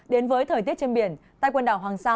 đến với thời tiết trên biển tại quần đảo hoàng sa